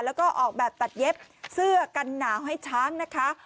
แล้วก็ออกแบบตัดเย็บเสื้อกันหนาวให้ช้างนะคะ